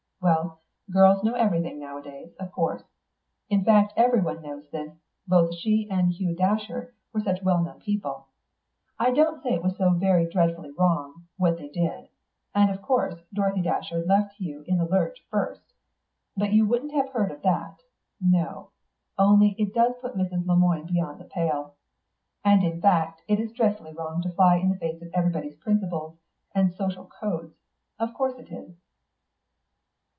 Well, girls know everything now a days, of course. In fact, everyone knows this; both she and Hugh Datcherd were such well known people. I don't say it was so very dreadfully wrong, what they did; and of course Dorothy Datcherd left Hugh in the lurch first but you wouldn't have heard of that, no only it does put Mrs. Le Moine beyond the pale. And, in fact, it is dreadfully wrong to fly in the face of everybody's principles and social codes; of course it is."